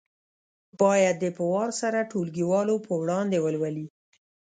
بیا دې په وار سره ټولګیوالو په وړاندې ولولي.